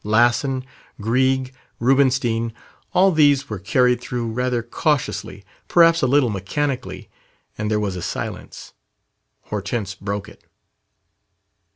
Lassen, Grieg, Rubinstein all these were carried through rather cautiously, perhaps a little mechanically; and there was a silence. Hortense broke it.